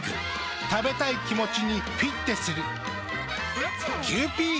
食べたい気持ちにフィッテする。